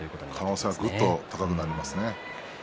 可能性がぐっと高まります。